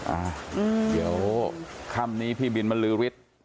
อ่ะเดี๋ยวคำนี้พี่บิลมันลื้อฤทธิ์